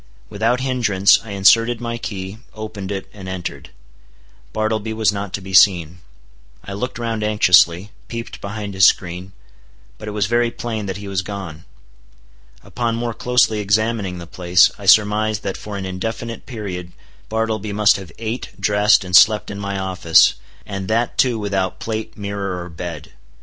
Without hindrance I inserted my key, opened it, and entered. Bartleby was not to be seen. I looked round anxiously, peeped behind his screen; but it was very plain that he was gone. Upon more closely examining the place, I surmised that for an indefinite period Bartleby must have ate, dressed, and slept in my office, and that too without plate, mirror, or bed.